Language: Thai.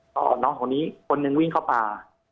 ก็น้องคนนี้คนหนึ่งวิ่งเข้าป่า